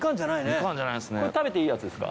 食べていいやつですか？